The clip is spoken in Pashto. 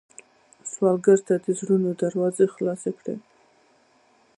سوالګر ته د زړونو دروازې خلاصې کړه